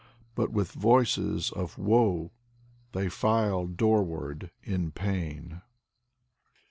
But with voices of woe They file doorward, in pain.